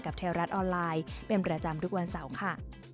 ไทยรัฐออนไลน์เป็นประจำทุกวันเสาร์ค่ะ